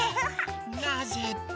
なぜって？